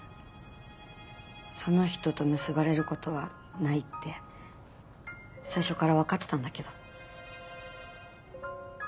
その人と結ばれることはないって最初から分かってたんだけど。